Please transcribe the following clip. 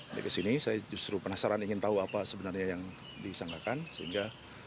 ini ke sini saya justru penasaran ingin tahu apa sebenarnya yang disangkakan sehingga